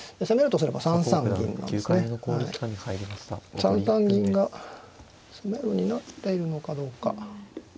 ３三銀が詰めろになっているのかどうか。